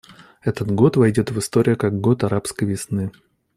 Этот год войдет в историю как год «арабской весны».